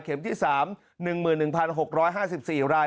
เข็มที่สาม๑๑๖๕๔ราย